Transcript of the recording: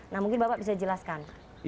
nah mungkin bapak bisa jelaskan